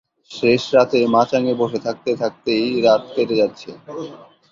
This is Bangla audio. শেষ রাতে মাচাঙে বসে থাকতে থাকতেই রাত কেটে যাচ্ছে।